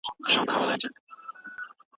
هر څېړونکی باید خپلواک فکر ولري.